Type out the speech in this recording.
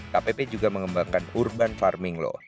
kpp juga mengembangkan urban farming loh